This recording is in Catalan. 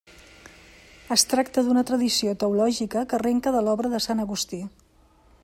Es tracta d'una tradició teològica que arrenca de l'obra de sant Agustí.